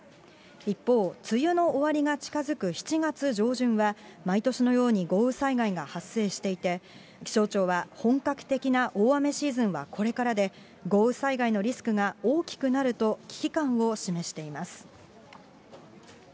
一方、梅雨の終わりが近づく７月上旬は、毎年のように豪雨災害が発生していて、気象庁は、本格的な大雨シーズンはこれからで、豪雨災害のリスクが大きくなると、危機感を示しています。